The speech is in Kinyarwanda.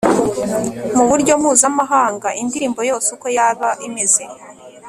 mu buryo mpuzamahanga. indirimbo yose uko yaba imeze